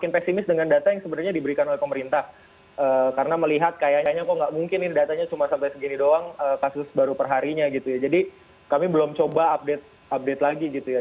pesimis dengan data yang sebenarnya diberikan oleh pemerintah karena melihat kayaknya kok nggak mungkin ini datanya cuma sampai segini doang kasus baru perharinya gitu ya jadi kami belum coba update update lagi gitu ya